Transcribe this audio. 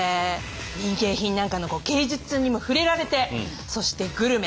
民芸品なんかの芸術にも触れられてそしてグルメ。